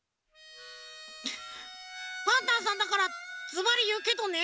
パンタンさんだからずばりいうけどね。